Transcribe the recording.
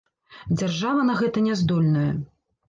Дзяржава на гэта не здольная.